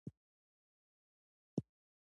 شنه مڼه ترش او خوندور خوند لري.